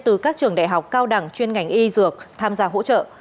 từ các trường đại học cao đẳng chuyên ngành y dược tham gia hỗ trợ